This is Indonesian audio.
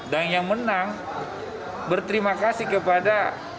dan yang menang berterima kasih kepada